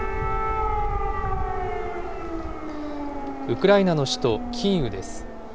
ウクライナの首都キーウです。